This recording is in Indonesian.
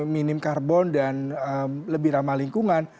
minim karbon dan lebih ramah lingkungan